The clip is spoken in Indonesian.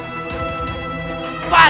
yang menyebabkan mengepan